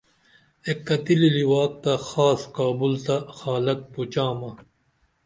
اِک کتی لِلِواک تہ خاص کابل تہ خالت پُچامہ